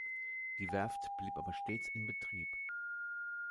Die Werft blieb aber stets in Betrieb.